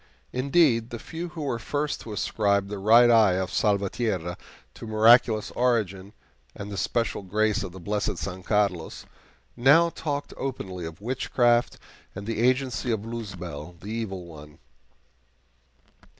Indeed, the few who were first to ascribe the right eye of Salvatierra to miraculous origin and the special grace of the blessed San Carlos, now talked openly of witchcraft and the agency of Luzbel, the evil one.